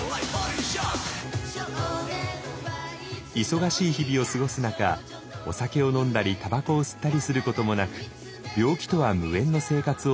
忙しい日々を過ごす中お酒を飲んだりたばこを吸ったりすることもなく病気とは無縁の生活を送っていました。